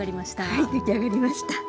はいできあがりました。